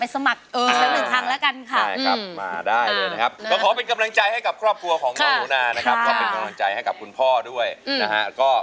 สมัครละเวลาเขาเรียกเมื่อไหร่ก็เอา